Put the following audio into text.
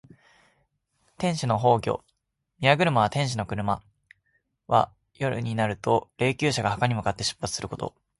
天子の崩御。「宮車」は天子の車。「晏駕」は夜になって霊柩車が墓に向かって出発すること。